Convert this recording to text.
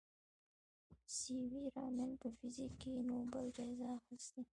سي وي رامن په فزیک کې نوبل جایزه اخیستې.